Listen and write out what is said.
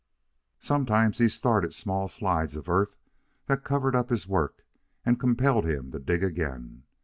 Sometimes he started small slides of earth that covered up his work and compelled him to dig again.